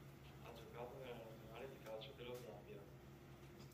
Ha giocato nella nazionale di calcio dello Zambia.